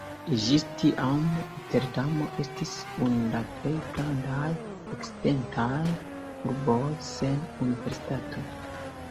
Ĝis tiam Roterdamo estis unu el la plej grandaj okcidentaj urboj sen universitato.